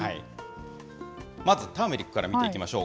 まずターメリックから見ていきましょう。